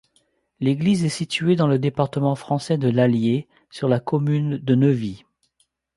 L'église est située dans le département français de l'Allier, sur la commune de Neuvy.